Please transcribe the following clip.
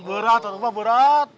berat atau apa berat